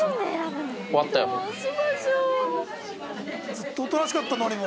ずっとおとなしかったのりも。